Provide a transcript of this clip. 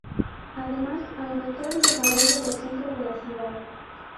Además, aumentó el desarrollo del centro de la ciudad.